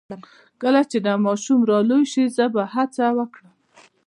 کله چې دا ماشوم را لوی شي زه به هڅه وکړم